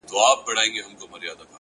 • چي كورنۍ يې؛